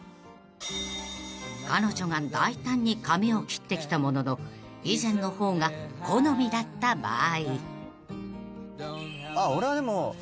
［彼女が大胆に髪を切ってきたものの以前の方が好みだった場合］